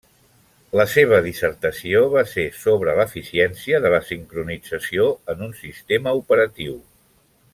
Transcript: La seva dissertació va ser sobre l'eficiència de la sincronització en un sistema operatiu.